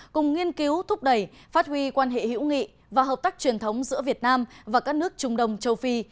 cùng nghiên cứu thúc đẩy phát huy quan hệ hữu nghị và hợp tác truyền thống giữa việt nam và các nước trung đông châu phi